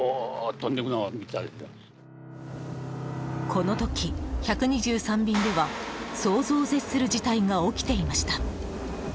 この時、１２３便では想像を絶する事態が起きていました。